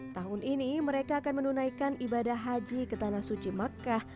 tahun ini mereka akan menunaikan ibadah haji ke tanah suci makkah